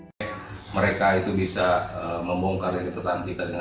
hai mereka itu bisa membongkar kita dengan lebih mudah